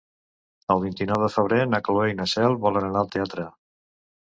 El vint-i-nou de febrer na Cloè i na Cel volen anar al teatre.